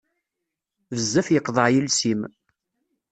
Bezzaf yeqḍeɛ yiles-im.